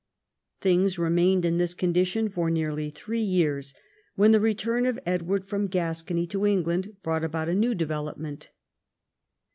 Things remained in this condition for nearly three years, when the return of Edward from Gascony to England brought about a new development.